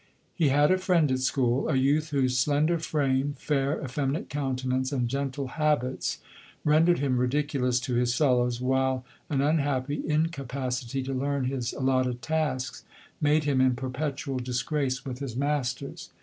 He had a friend at school. A youth whose slender frame, fair, effeminate countenance, and gentle habits, rendered him ridiculous to his fel lows, while an unhappy incapacity to learn his al lotted tasks made him in perpetual disgrace with his masters.